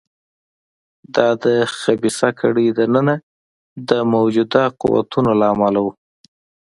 دا د خبیثه کړۍ دننه د موجوده قوتونو له امله و.